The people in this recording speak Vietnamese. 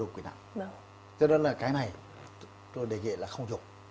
thứ đó là cái này tôi đề nghệ là không dùng